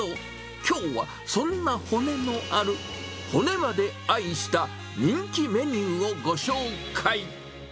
きょうはそんな骨のある、骨まで愛した人気メニューをご紹介。